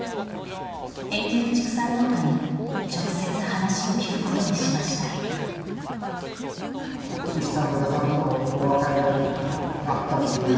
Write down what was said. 演じる畜産農家に直接話を聞くことにしました。